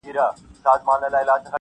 چي لیکلی چا غزل وي بې الهامه,